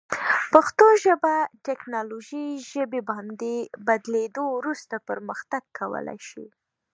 پښتو ژبه تکنالوژي ژبې باندې بدلیدو وروسته پرمختګ کولی شي.